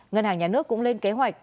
ngân hàng nhà nước cũng lên kế hoạch